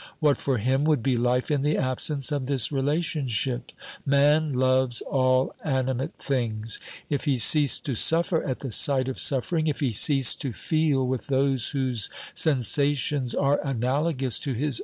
What for him would be life in the absence of this relationship ? Man loves all animate things. If he ceased to suffer at the sight of suffering, if he ceased to feel with those whose sensations are analogous to his own.